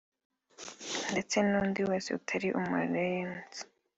ndetse n’undi wese utari umu-Rayons